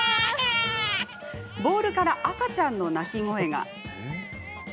ボールから赤ちゃんの泣き声が。